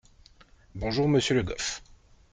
Bonjour monsieur Le Goff.